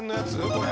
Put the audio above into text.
これ。